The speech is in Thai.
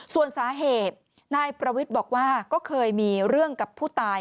ส่วนสาเหตุนายประวิทย์บอกว่าก็เคยมีเรื่องกับผู้ตาย